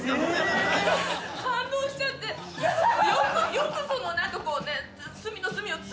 よくそのなんかこうね。